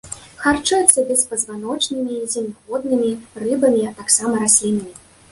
Харчуюцца беспазваночнымі, земнаводнымі, рыбамі, а таксама раслінамі.